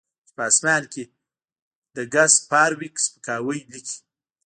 چې په اسمان کې د ګس فارویک سپکاوی لیکي